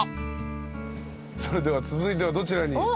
それでは続いてはどちらに？